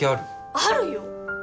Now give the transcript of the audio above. あるよ！